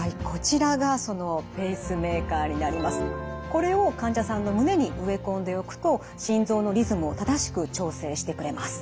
これを患者さんの胸に植え込んでおくと心臓のリズムを正しく調整してくれます。